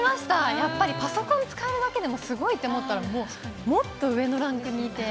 やっぱりパソコン使えるだけでもすごいって思ったら、もっと上のランクにいて。